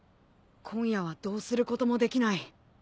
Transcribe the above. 今夜はどうすることもできない。